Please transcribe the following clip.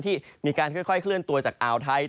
ที่มีการค่อยเคลื่อนตัวจากอ่าวไทย